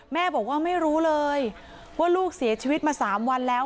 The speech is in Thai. แม่บอกว่าไม่รู้เลยว่าลูกเสียชีวิตมา๓วันแล้ว